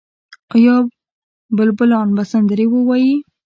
آیا بلبلان به سندرې ووايي؟